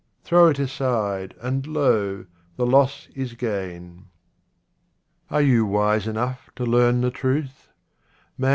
Throw it aside, and lo ! the loss is gain. Are you wise enough to learn the truth